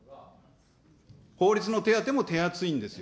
法律の手当も手厚いんですよ。